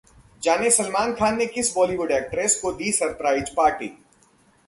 जाने सलमान खान ने किस बॉलीवुड एक्ट्रेस को दी सरप्राइज पार्टी?